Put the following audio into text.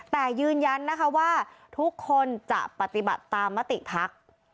แต่ยืนยันนะคะว่าทุกคนจะปฏิบัติตามมติภักดิ์